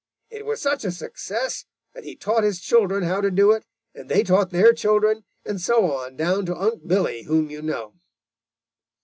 It was such a success that he taught his children how to do it, and they taught their children, and so on down to Unc' Billy, whom you know.